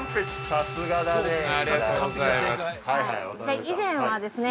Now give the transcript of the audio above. ◆さすがだね。